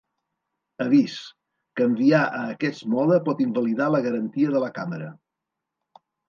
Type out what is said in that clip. Avís: canviar a aquest mode pot invalidar la garantia de la càmera.